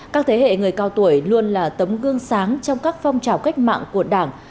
các thế hệ người cao tuổi luôn là tấm gương sáng trong các phong trào cách mạng của đảng